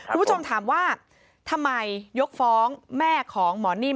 คุณผู้ชมถามว่าทำไมยกฟ้องแม่ของหมอนิ่ม